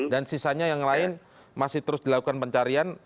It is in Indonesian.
dan sisanya yang lain masih terus dilakukan pencarian